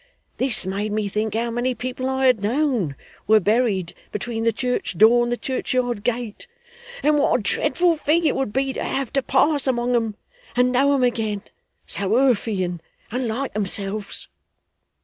This made me think how many people I had known, were buried between the church door and the churchyard gate, and what a dreadful thing it would be to have to pass among them and know them again, so earthy and unlike themselves.